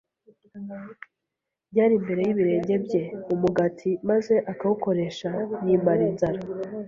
ryari imbere y’ibirenge bye umugati maze akawukoresha yimara inzara.